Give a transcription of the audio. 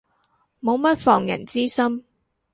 冇乜防人之心